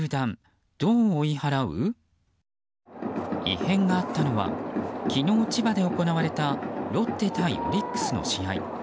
異変があったのは昨日、千葉で行われたロッテ対オリックスの試合。